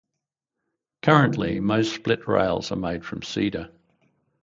Currently, most split rails are made from cedar.